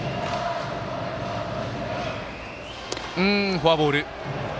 フォアボール。